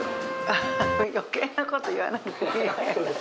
よけいなこと言わないで。